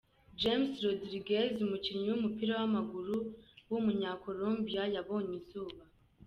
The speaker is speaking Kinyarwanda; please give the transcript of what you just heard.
James Rodriguez, umukinnyi w’umupira w’amaguru w’umunya-Colombia yabonye izuba.